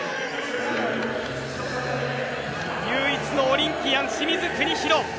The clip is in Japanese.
唯一のオリンピアン清水邦広。